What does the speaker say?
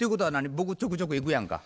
僕ちょくちょく行くやんか。